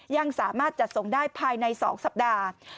ยังสามารถจัดส่งได้ภายใน๒สัปดาห์